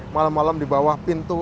malam malam di bawah pintu